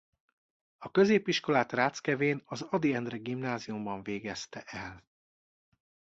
A középiskolát Ráckevén az Ady Endre Gimnáziumban végezte el.